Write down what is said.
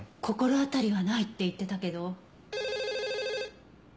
心当たりはないって言ってたけど。